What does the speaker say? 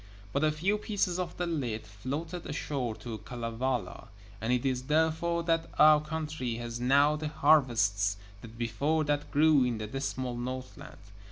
But a few pieces of the lid floated ashore to Kalevala, and it is therefore that our country has now the harvests that before that grew in the dismal Northland.